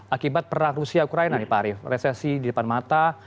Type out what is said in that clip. akibat perang rusia ukraine nih pak arief resesi di depan mata